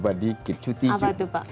sedikit cuti juga apa itu pak